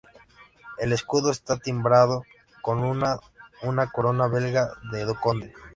El escudo está "timbrado" con una una corona belga de conde.